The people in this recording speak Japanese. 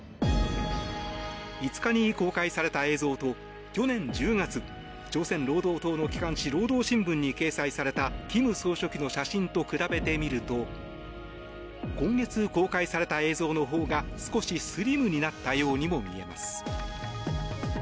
５日に公開された映像と去年１０月、朝鮮労働党の機関紙労働新聞に掲載された金総書記の写真と比べてみると今月公開された映像のほうが少しスリムになったようにも見えます。